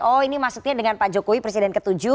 oh ini maksudnya dengan pak jokowi presiden ke tujuh